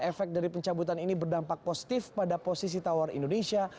efek dari pencabutan ini berdampak positif pada posisi tawar indonesia